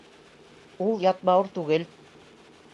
Ул ят бауыр түгел.